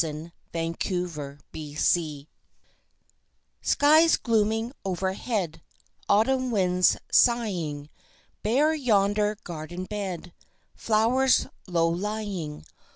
Ashes of Roses Skies glooming overhead, Autumn winds sighing; Bare yonder garden bed, Flowers low lying.